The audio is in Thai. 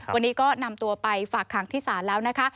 วันนี้ก็นำตัวไปฝากขังที่ศาลแล้วนะคะ